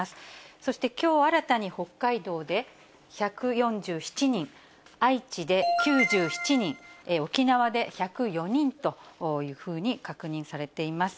そしてきょう新たに北海道で１４７人、愛知で９７人、沖縄で１０４人というふうに確認されています。